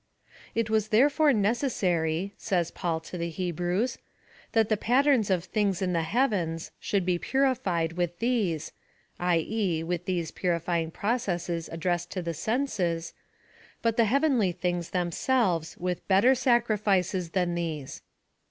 " It was therefore necessary," says Paul to the Hebrews, " that the patterns of things in the heavens should be purified with these, (i. e. with these purifying processes addressed to the senses) but the heavenly things themselves with better sac rifices than these."